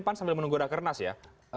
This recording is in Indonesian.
pan sambil menunggu rakernas ya